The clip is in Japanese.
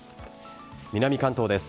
南関東です。